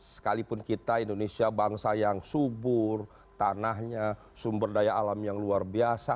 sekalipun kita indonesia bangsa yang subur tanahnya sumber daya alam yang luar biasa